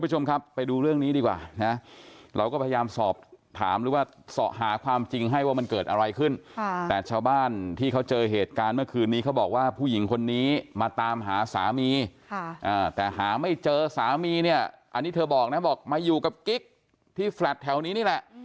เจอสามีเนี้ยอันนี้เธอบอกนะบอกมาอยู่กับกิ๊กที่แถวนี้นี่แหละ